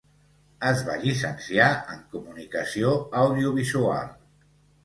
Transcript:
Es va llicenciar en Comunicació Audiovisual.